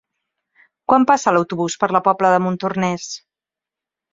Quan passa l'autobús per la Pobla de Montornès?